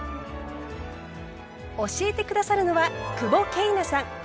教えて下さるのは久保桂奈さん。